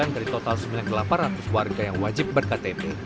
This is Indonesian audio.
dari total sembilan delapan ratus warga yang wajib berktp